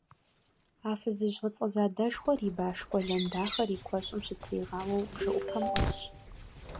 А фызыжь фӏыцӏэ задэшхуэр и баш къуэлэн дахэр и куэщӏым щытригъауэу бжэӏупэм ӏусщ.